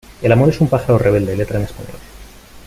El amor es un pájaro rebelde, letra en español.